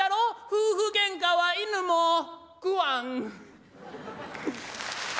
夫婦げんかは犬も食わん」。